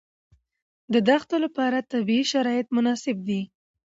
د دښتو لپاره طبیعي شرایط مناسب دي.